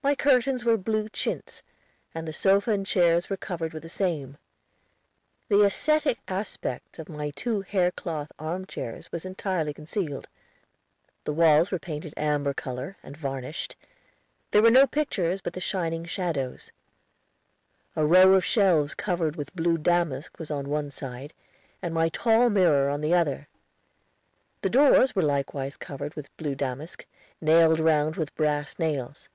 My curtains were blue chintz, and the sofa and chairs were covered with the same; the ascetic aspect of my two hair cloth arm chairs was entirely concealed. The walls were painted amber color, and varnished. There were no pictures but the shining shadows. A row of shelves covered with blue damask was on one side, and my tall mirror on the other. The doors were likewise covered with blue damask, nailed round with brass nails.